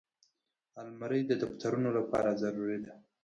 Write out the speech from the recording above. الماري د دفترونو لپاره ضروري ده